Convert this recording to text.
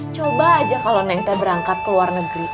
coba aja kalo neng teh berangkat ke luar negeri